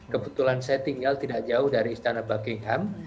kebetulan saya tinggal tidak jauh dari istana buckingham